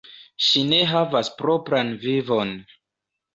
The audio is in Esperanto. Ŝi ne havas propran vivon.